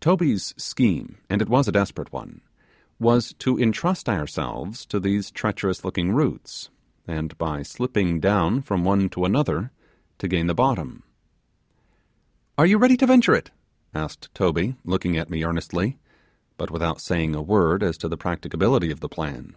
Toby's scheme, and it was a desperate one, was to entrust ourselves to these treacherous looking roots, and by slipping down from one to another to gain the bottom. 'Are you ready to venture it?' asked Toby, looking at me earnestly but without saying a word as to the practicability of the plan.